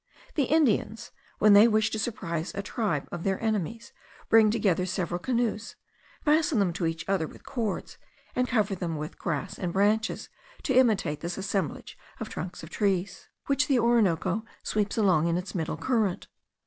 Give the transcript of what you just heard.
The Indians, when they wish to surprise a tribe of their enemies, bring together several canoes, fasten them to each other with cords, and cover them with grass and branches, to imitate this assemblage of trunks of trees, which the Orinoco sweeps along in its middle current.